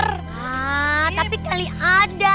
hah tapi kali ada